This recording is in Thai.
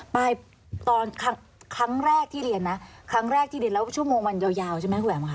ปลายครั้งแรกที่เรียนนะแล้วชั่วโมงมันยาวใช่มั้ยครูแหวมคะ